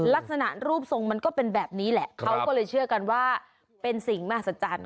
ลักษณะรูปทรงมันก็เป็นแบบนี้แหละเขาก็เลยเชื่อกันว่าเป็นสิ่งมหัศจรรย์